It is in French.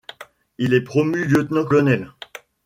Il est promu lieutenant-colonel.